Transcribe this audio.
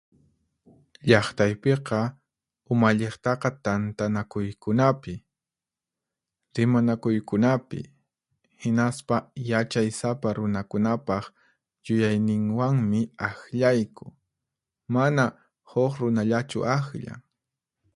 Llaqtaypiqa umalliqtaqa tantanakuykunapi, rimanakuykunapi, hinaspa yachaysapa runakunapaq yuyayninwanmi aqllayku. Mana huq runallachu aqllan.